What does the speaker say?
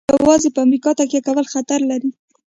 یوازې په امریکا تکیه کول خطر لري.